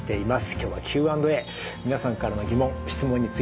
今日はＱ＆Ａ皆さんからの疑問質問についてですね